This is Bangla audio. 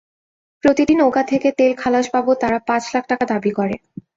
প্রতিটি নৌকা থেকে তেল খালাস বাবদ তারা পাঁচ লাখ টাকা দাবি করে।